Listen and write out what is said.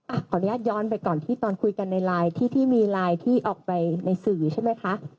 ขออนุญาตย้อนไปก่อนที่ตอนคุยกันในไลน์ที่ที่มีไลน์ที่ออกไปในสื่อใช่ไหมคะ